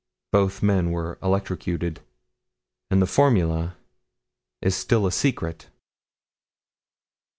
Both men were electrocuted, and the formula is still a secret.